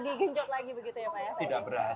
digenjot lagi begitu ya pak ya